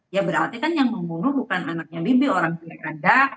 ya berarti kan yang membunuh bukan anaknya bibi orang pilih kandang